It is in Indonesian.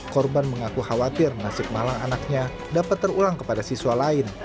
korban mengaku khawatir nasib malang anaknya dapat terulang kepada siswa lain